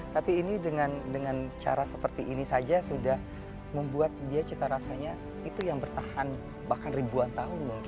tapi ini dengan cara seperti ini saja sudah membuat dia cita rasanya itu yang bertahan bahkan ribuan tahun mungkin